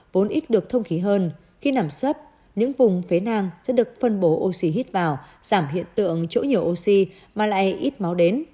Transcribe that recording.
vốn ít được thông khí hơn khi nằm sấp những vùng phía nang sẽ được phân bổ oxy hít vào giảm hiện tượng chỗ nhiều oxy mà lại ít máu đến